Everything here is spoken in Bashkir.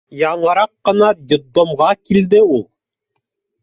Яңыраҡ ҡына детдомға килде ул.